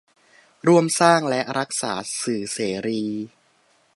ร่วมสร้างและรักษาสื่อเสรี